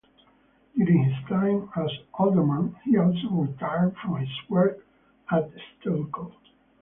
During his time as alderman, he also retired from his work at Stelco.